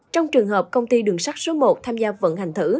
trong trường hợp công ty đường sắt số một tham gia vận hành thử